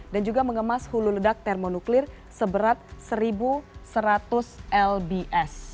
dan juga mengemas hulu ledak termonuklir seberat satu seratus lbs